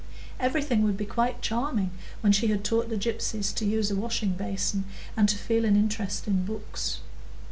Everything would be quite charming when she had taught the gypsies to use a washing basin, and to feel an interest in books.